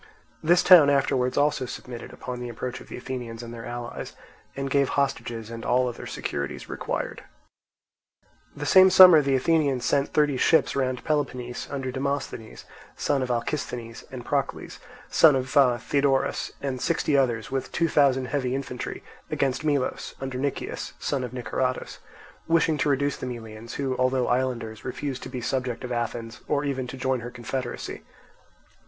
This town afterwards also submitted upon the approach of the Athenians and their allies, and gave hostages and all other securities required. The same summer the Athenians sent thirty ships round Peloponnese under Demosthenes, son of Alcisthenes, and Procles, son of Theodorus, and sixty others, with two thousand heavy infantry, against Melos, under Nicias, son of Niceratus; wishing to reduce the Melians, who, although islanders, refused to be subjects of Athens or even to join her confederacy.